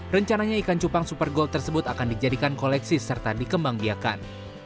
rencananya ikan cupang super gold tersebut akan dijadikan koleksi serta dikembang biakan